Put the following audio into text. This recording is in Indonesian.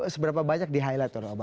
seberapa banyak di highlight tuh dari obama